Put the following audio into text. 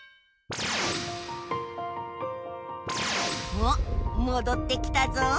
おっもどってきたぞ。